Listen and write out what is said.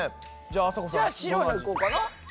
じゃあ白いのいこうかな。